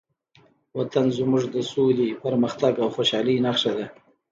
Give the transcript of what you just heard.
وطن زموږ د سولې، پرمختګ او خوشحالۍ نښه ده.